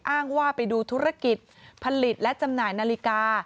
อ้างว่าไปดูธุรกิจผลิตและจำหน่ายนาฬิกา